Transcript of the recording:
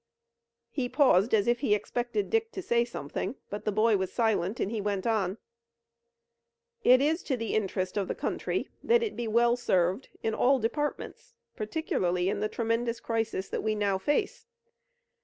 He paused, as if he expected Dick to say something, but the boy was silent and he went on: "It is to the interest of the country that it be served well in all departments, particularly in the tremendous crisis that we now face.